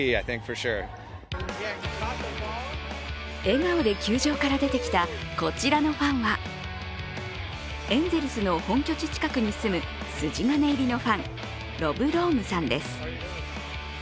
笑顔で球場から出てきたこちらのファンは、エンゼルスの本拠地近くに住む筋金入りのファン、ロブ・ロームさんです。